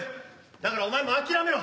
だからお前も諦めろ。